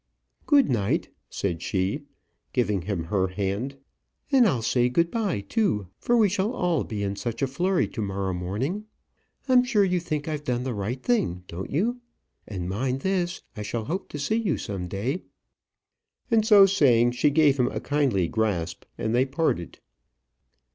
"Good night," said she, giving him her hand. "And I'll say good bye, too, for we shall all be in such a flurry to morrow morning. I'm sure you think I've done the right thing don't you? And, mind this, I shall hope to see you some day." And so saying, she gave him a kindly grasp, and they parted.